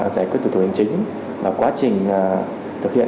giải quyết từ thủ hình chính và quá trình thực hiện